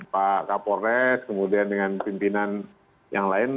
pak kapolres kemudian dengan pimpinan yang lain